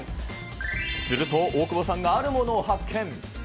すると、大久保さんがあるものを発見。